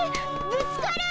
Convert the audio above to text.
ぶつかる！